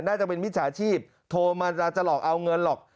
น่าจะเป็นมิจฉาชีพโทรมาจะหลอกเอาเงินหรอก